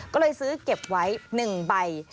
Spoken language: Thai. ก็เลยซื้อเก็บไว้๑ใบ